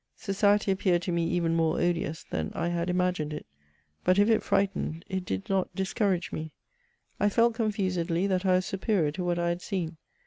Society appeared to me even more odious than I had imagined it ; but if it frightened, it did not discourage me. I felt c(Mi^edly that I was superior to what I had seen.